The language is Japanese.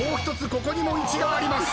ここにも１があります！